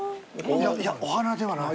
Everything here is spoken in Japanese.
いやお花ではない。